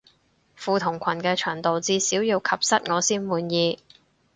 褲同裙嘅長度至少要及膝我先滿意